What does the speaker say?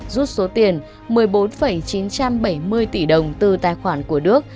rút số tiền một mươi bốn chín trăm bảy mươi tỷ đồng từ tài khoản của đức